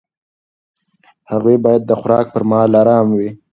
هغوی باید د خوراک پر مهال ارام وي.